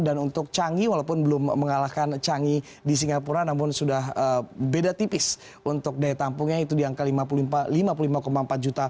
dan untuk changi walaupun belum mengalahkan changi di singapura namun sudah beda tipis untuk daya tampungnya itu di angka lima puluh lima empat juta penumpang